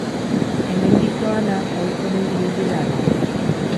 Hemendik doana, ohiko mendi ibilbidea da.